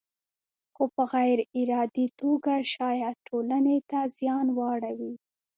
خو په غیر ارادي توګه شاید ټولنې ته زیان واړوي.